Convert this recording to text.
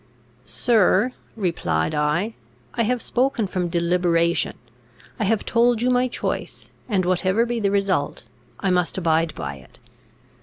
"Sir," replied I, "I have spoken from deliberation; I have told you my choice, and, whatever be the result, I must abide by it.